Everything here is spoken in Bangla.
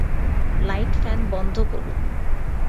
লাইট-ফ্যান বন্ধ করুন।